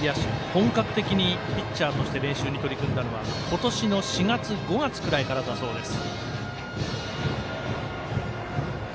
本格的にピッチャーとして練習に取り組んだのは今年の４月、５月くらいからだそうです。